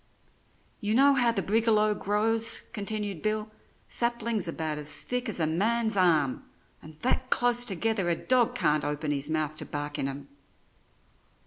"You know how the brigalow grows," continued Bill; "saplings about as thick as a man's arm, and that close together a dog can't open his mouth to bark in 'em.